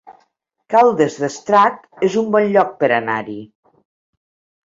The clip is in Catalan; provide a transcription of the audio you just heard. Caldes d'Estrac es un bon lloc per anar-hi